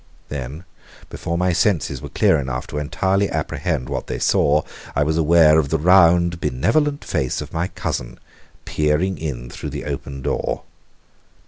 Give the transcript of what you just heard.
Then, before my senses were clear enough to entirely apprehend what they saw, I was aware of the round, benevolent face of my cousin peering in through the open door.